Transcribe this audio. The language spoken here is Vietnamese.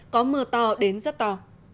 có mưa to đến rất to